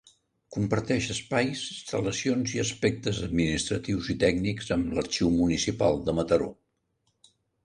Comparteix espais, instal·lacions i aspectes administratius i tècnics amb l'Arxiu Municipal de Mataró.